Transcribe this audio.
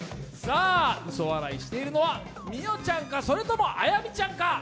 嘘笑いしているのは美桜ちゃんか、あやみちゃんか。